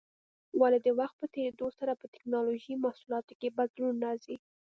ولې د وخت په تېرېدو سره په ټېکنالوجۍ محصولاتو کې بدلون راځي؟